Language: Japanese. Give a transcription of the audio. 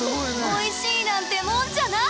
おいしいなんてもんじゃない！